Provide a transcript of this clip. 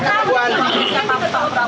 ajakkan mungkin ada godaan